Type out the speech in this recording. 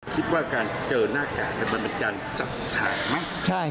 คิดว่าการเจอหน้ากากมันเป็นการจัดฉากไหม